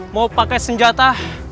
mau pakai senjata